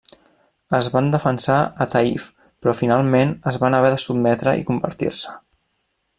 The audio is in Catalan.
Es van defensar a Taïf però finalment es van haver de sotmetre i convertir-se.